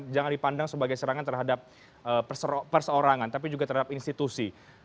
jangan dipandang sebagai serangan terhadap perseorangan tapi juga terhadap institusi